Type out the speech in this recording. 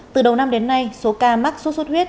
từ đầu năm đến nay số ca mắc suốt suốt huyết